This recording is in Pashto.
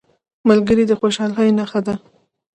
ملګری د خوشحالۍ نښه ده